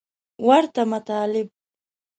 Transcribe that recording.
ورته مطالب